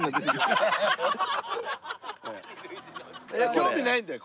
興味ないんだよ